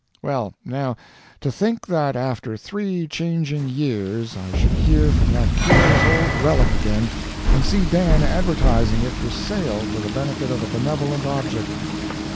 Well, now, to think that after three changing years I should hear from that curious old relic again, and see Dan advertising it for sale for the benefit of a benevolent object.